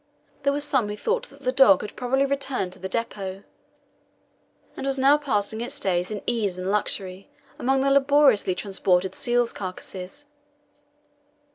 There were some who thought that the dog had probably returned to the depot, and was now passing its days in ease and luxury among the laboriously transported seals' carcasses.